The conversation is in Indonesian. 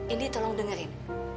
indi tolong dengerin